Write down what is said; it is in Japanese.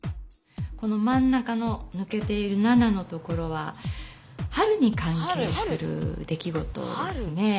このまん中のぬけている「七」のところは春にかんけいする出来ごとですねぇ。